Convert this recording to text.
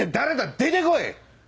出て来い！